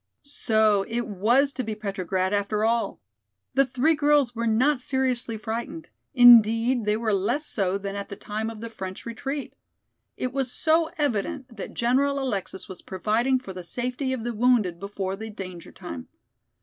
So it was to be Petrograd after all! The three girls were not seriously frightened; indeed, they were less so than at the time of the French retreat. It was so evident that General Alexis was providing for the safety of the wounded before the danger time.